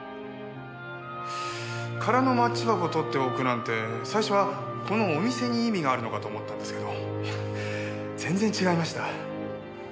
空のマッチ箱を取っておくなんて最初はこのお店に意味があるのかと思ったんですけどいや全然違いました。